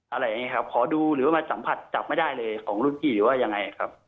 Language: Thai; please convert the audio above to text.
อะไรอย่างนี้ครับขอดูหรือว่ามาสัมผัสจับไม่ได้เลยของรุ่นพี่ว่ายังไงครับ